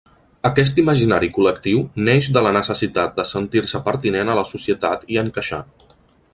Aquest imaginari col·lectiu neix de la necessitat de sentir-se pertinent a la societat i encaixar.